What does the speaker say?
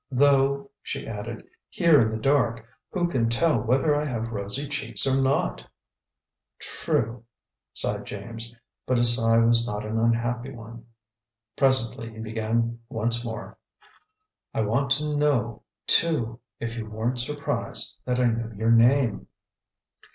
"Though," she added, "here in the dark, who can tell whether I have rosy cheeks or not?" "True!" sighed James, but his sigh was not an unhappy one. Presently he began once more: "I want to know, too, if you weren't surprised that I knew your name?"